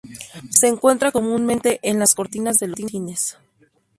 Se encuentra comúnmente en las cortinas de los cines.